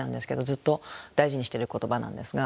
ずっと大事にしてる言葉なんですが。